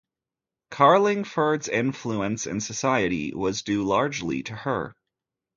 Carlingford's influence in society was due largely to her.